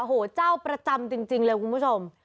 โอ้โหเจ้าประจำจริงเลยคุณผู้ชม